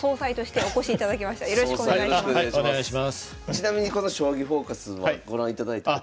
ちなみにこの「将棋フォーカス」はご覧いただいたことは？